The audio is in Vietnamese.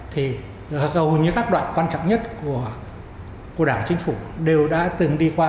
thì hầu như các đoạn quan trọng nhất của đảng chính phủ đều đã từng đi qua